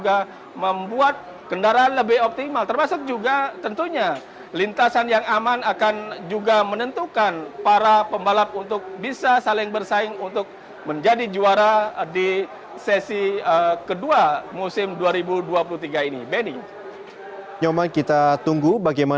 dan kemudian ketika alvaro sebelumnya ada empat orang yang pembalap yang terjatuh kemudian dilakukan perbaikan ataupun pembersihan di tikungan yang dimana salah satu ataupun dua pembalap terjatuh sehingga dibutuhkan waktu